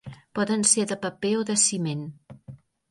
Poden ser de paper o de ciment.